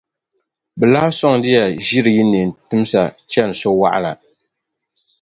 Bɛ lahi sɔŋdi ya ʒiri yi neen' timsa chani so' waɣila.